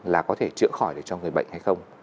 là có thể chữa khỏi được cho người bệnh hay không